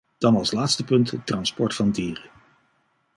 Dan als laatste punt, het transport van dieren.